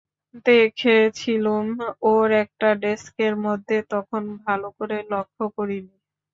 দেখেছিলুম ওর একটা ডেস্কের মধ্যে, তখন ভালো করে লক্ষ্য করি নি।